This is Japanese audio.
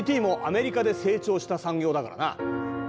ＩＣＴもアメリカで成長した産業だからな。